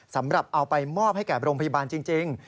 สำหรับเอาไปมอบให้แก่โรงพยาบาลจริง